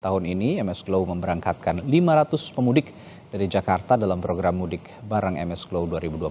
tahun ini ms glow memberangkatkan lima ratus pemudik dari jakarta dalam program mudik bareng msclo dua ribu dua puluh tiga